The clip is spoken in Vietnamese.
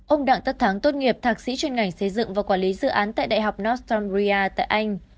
ông đặng tất thắng tốt nghiệp thạc sĩ chuyên ngành xây dựng và quản lý dự án tại đại học nastonia tại anh